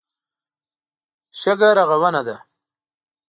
شګه رغونه ده.